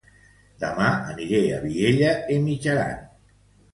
Dema aniré a Vielha e Mijaran